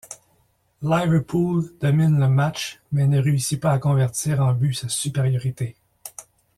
Liverpool domine le match mais ne réussit pas à convertir en but sa supériorité.